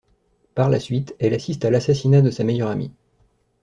Par la suite elle assiste à l'assassinat de sa meilleure amie.